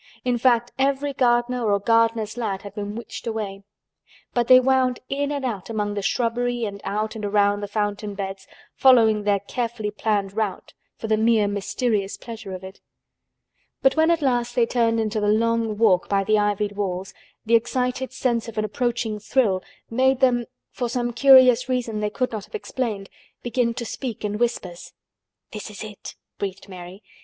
In fact every gardener or gardener's lad had been witched away. But they wound in and out among the shrubbery and out and round the fountain beds, following their carefully planned route for the mere mysterious pleasure of it. But when at last they turned into the Long Walk by the ivied walls the excited sense of an approaching thrill made them, for some curious reason they could not have explained, begin to speak in whispers. "This is it," breathed Mary.